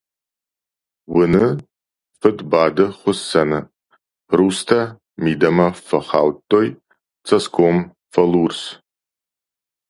Уыны, фыд бады хуыссӕны, рустӕ мидӕмӕ бахаудтой, цӕсгом фӕлурс.